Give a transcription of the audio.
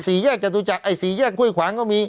ศรีแยกจตุจักรศรีแยกกล้วยขวางก็มี